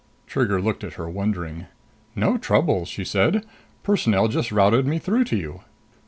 Trigger looked at her, wondering. "No trouble," she said. "Personnel just routed me through to you."